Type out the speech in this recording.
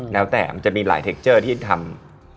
แล้วแต่มันจะมีหลายเทคเจอร์ที่ทำ